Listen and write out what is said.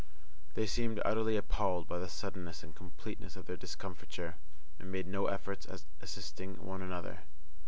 They seemed utterly appalled by the suddenness and completeness of their discomfiture, and made no efforts at assisting one another.